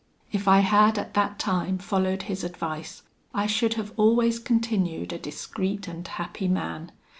If I had at that time followed his advice, I should have always continued a discreet and happy man.